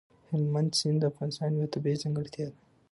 هلمند سیند د افغانستان یوه طبیعي ځانګړتیا ده.